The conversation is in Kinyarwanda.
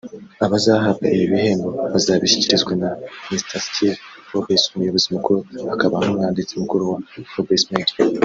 Abazahabwa ibi bihembo bazabishyikirizwa na Mr Steve Forbes umuyobozi mukuru akaba n’umwanditsi mukuru wa Forbes Media